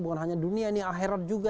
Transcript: bukan hanya dunia ini akhirat juga